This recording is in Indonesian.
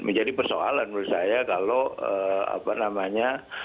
menjadi persoalan menurut saya kalau apa namanya